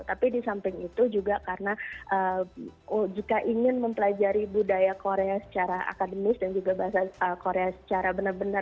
tapi di samping itu juga karena jika ingin mempelajari budaya korea secara akademis dan juga bahasa korea secara benar benar